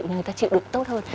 nhưng người ta chịu được tốt hơn